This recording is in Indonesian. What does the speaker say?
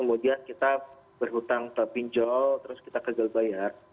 kemudian kita berhutang ke pinjol terus kita gagal bayar